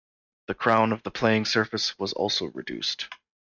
The crown of the playing surface was also reduced.